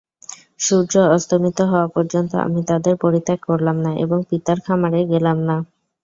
সূর্য অস্তমিত হওয়া পর্যন্ত আমি তাদের পরিত্যাগ করলাম না এবং পিতার খামারে গেলাম না।